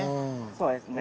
そうですね。